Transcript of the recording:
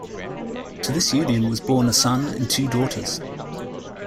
To this union was born a son and two daughters.